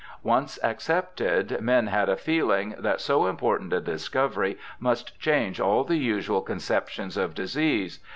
Once accepted, men had a feehng that so important a discovery must change all the usual conceptions of disease.